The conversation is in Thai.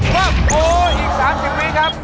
ปุ๊บโอ้อีก๓ชั่วนี้ครับ